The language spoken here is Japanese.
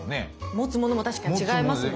持つものも確かに違いますもんね。